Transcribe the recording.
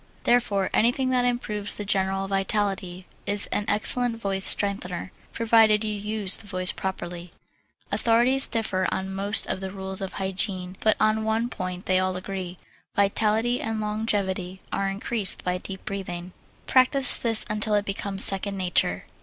Therefore anything that improves the general vitality is an excellent voice strengthener, provided you use the voice properly. Authorities differ on most of the rules of hygiene but on one point they all agree: vitality and longevity are increased by deep breathing. Practise this until it becomes second nature.